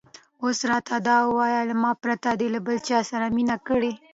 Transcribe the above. اوس دا راته ووایه، له ما پرته دې له بل چا سره مینه کړې؟